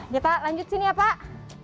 kita lanjut sini ya pak